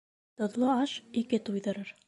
Тоҙло аш ике туйҙырыр.